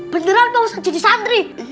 beneran pak ustaz jadi santri